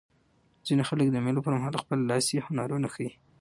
ځیني خلک د مېلو پر مهال خپل لاسي هنرونه ښيي.